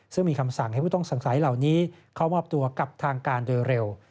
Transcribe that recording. ซึ่งมีคำสั่งให้ผู้ต้องสงสัยเหล่านี้เข้ามอบตัวกับทางการโดยเร็ว